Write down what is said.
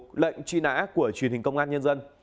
tiểu mục lệnh truy nã của truyền hình công an nhân dân